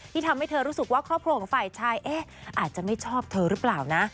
ทำให้เธอรู้สึกว่าครอบครัวของฝ่ายชายเอ๊ะอาจจะไม่ชอบเธอหรือเปล่านะ